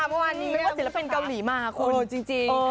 เมื่อวานนี้เนี่ยมันเป็นศิลปินเกาหลีมากค่ะคุณจริงครับ